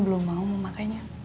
belum mau memakannya